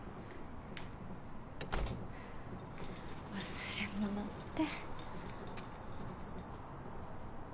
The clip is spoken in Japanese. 忘れ物って。